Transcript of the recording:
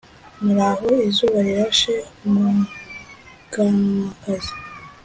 muraho izuba rirashe umuganwakazi.